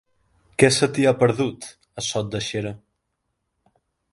Què se t'hi ha perdut, a Sot de Xera?